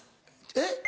えっ？